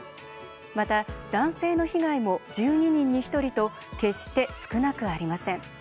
また男性の被害も１２人に１人と決して少なくありません。